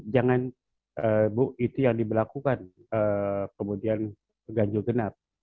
jangan bu itu yang diberlakukan kemudian ganjil genap